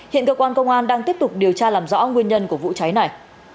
hiện cơ quan công an đang tiếp tục điều tra làm rõ nguyên nhân của vụ cháy này